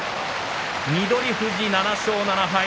翠富士、７勝７敗。